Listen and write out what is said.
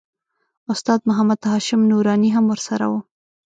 استاد محمد هاشم نوراني هم ورسره و.